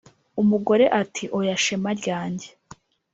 umugore ati"oya shema ryanjye